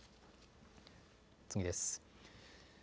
次です。